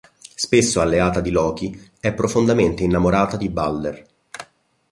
Spesso alleata di Loki, è profondamente innamorata di Balder.